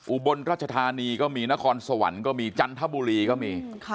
อุบลรัชธานีก็มีนครสวรรค์ก็มีจันทบุรีก็มี